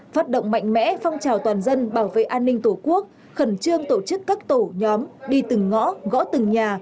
phát động mạnh mẽ phong trào toàn dân bảo vệ an ninh tổ quốc khẩn trương tổ chức các tổ nhóm đi từng ngõ gõ từng nhà